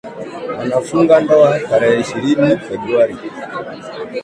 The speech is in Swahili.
Anafunga ndoa tarehe ishirini februari